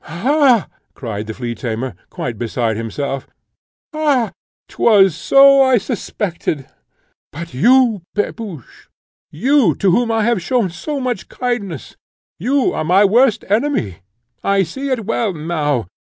"Ha!" cried the flea tamer, quite beside himself "ha! 'twas so I suspected! But you, Pepusch, you, to whom I have shown so much kindness, you are my worst enemy: I see it well now.